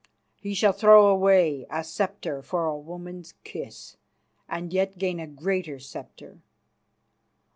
He shall throw away a sceptre for a woman's kiss, and yet gain a greater sceptre.